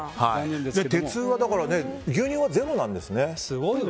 鉄は、牛乳はゼロなんですね。